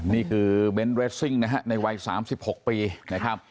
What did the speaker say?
นี่คือเบนท์เรสซิ่งนะฮะในวัย๓๖ปีนะครับ